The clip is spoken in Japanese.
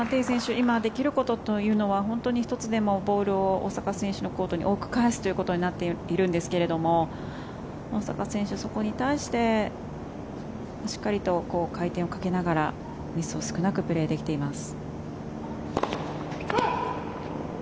今できることというのは本当に１つでもボールを大坂選手のコートに多く返すということになっているんですが大坂選手、そこに対してしっかりと回転をかけながらミス少なくプレーできています。